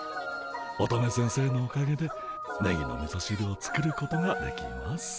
乙女先生のおかげでネギのみそしるを作ることができます。